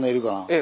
え？